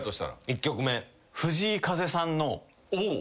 １曲目。